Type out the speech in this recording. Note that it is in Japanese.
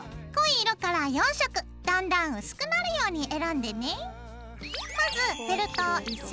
濃い色から４色だんだん薄くなるように選んでね。